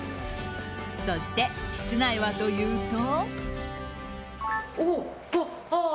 そして、室内はというと。